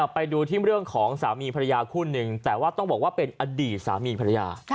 ไปดูที่เรื่องของสามีภรรยาคู่นึงแต่ว่าต้องบอกว่าเป็นอดีตสามีภรรยา